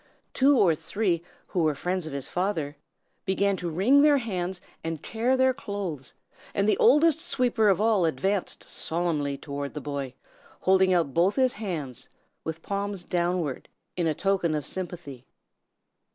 Two or three, who were friends of his father, began to wring their hands and tear their clothes, and the oldest sweeper of all advanced solemnly toward the boy, holding out both his hands, with the palms downward, in token of sympathy.